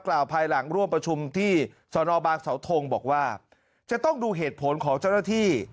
ภายหลังร่วมประชุมที่สนบางเสาทงบอกว่าจะต้องดูเหตุผลของเจ้าหน้าที่